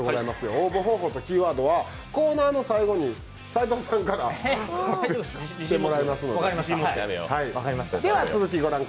応募方法とキーワードはコーナーの最後に斎藤さんからしてもらいます。